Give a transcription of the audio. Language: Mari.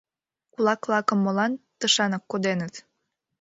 — Кулак-влакым молан тышакын коденыт?